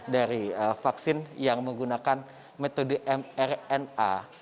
dari vaksin yang menggunakan metode mrna